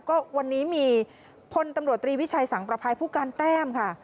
ก็วันนี้มีพลตำรวจตรีวิชัยสังประภัยผู้การแต้มค่ะ